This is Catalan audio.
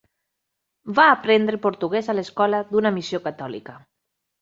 Va aprendre portuguès a l'escola d'una missió catòlica.